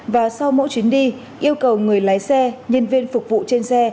và sau mỗi chuyến đi yêu cầu người lái xe nhân viên phục vụ trên xe